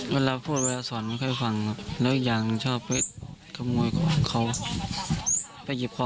เมื่อที่ผมให้ปากคำไปสงสารลูก